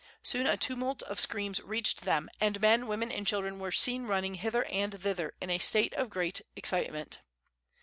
Soon a tumult of screams reached them, and men, women and children were seen running hither and thither in a state of great excitement.